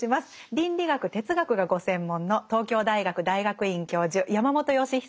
倫理学哲学がご専門の東京大学大学院教授山本芳久さんです。